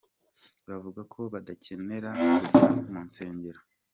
Bavuga ko badakenera kujya mu nsengero.